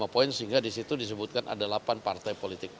lima poin sehingga disitu disebutkan ada delapan partai politik